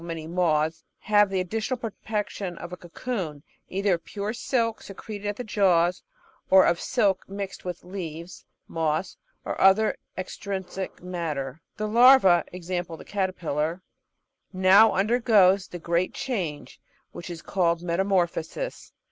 g. many moths) have the additional protection of a cocoon, either of pure silk secreted at the jaws, or of silk mixed with leaves, moss, or other extrinsic matter. The larva (i.e. the cater pillar) now undergoes the great change which is called meta morphosis.